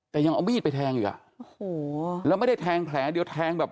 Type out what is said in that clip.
แต่ยังเอามีดไปแทงอีกอ่ะโอ้โหแล้วไม่ได้แทงแผลเดียวแทงแบบ